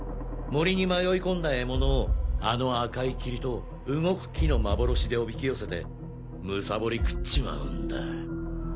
森に迷い込んだ獲物をあの赤い霧と動く木の幻でおびき寄せてむさぼり食っちまうんだ。